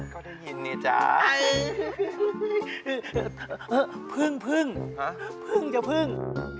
ก็ได้ยินเนี่ยจ้าพึ่งพึ่งพึ่งจ้ะพึ่ง